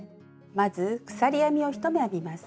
まず鎖編みを１目編みます。